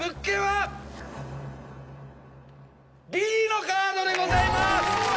Ｂのカードでございます。